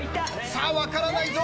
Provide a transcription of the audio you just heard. さあわからないぞ。